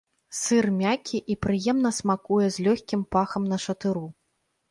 Сыр мяккі і прыемна смакуе з лёгкім пахам нашатыру.